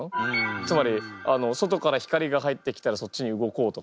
つまり外から光が入ってきたらそっちに動こうとか。